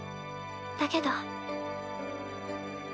だけど。